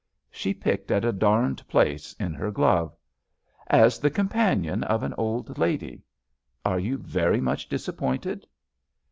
She picked at a darned place in her glove. "As the companion of an old lady. Are you very much disappointed?"